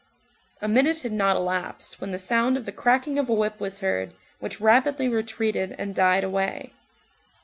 A minute had not elapsed, when the sound of the cracking of a whip was heard, which rapidly retreated and died away.